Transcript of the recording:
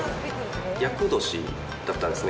厄年だったんですね。